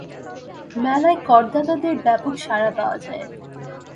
মেলায় করদাতাদের ব্যাপক সাড়া পাওয়া যায়।